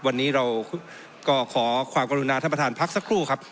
วันนี้เราก็ขอความกรุณาท่านประธานพักสักครู่ครับ